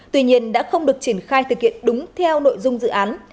tuy nhiên đã không được triển khai thực hiện đúng theo nội dung dự án